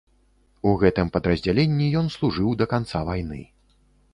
У гэтым падраздзяленні ён служыў да канца вайны.